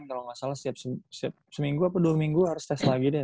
kalau nggak salah setiap seminggu apa dua minggu harus tes lagi deh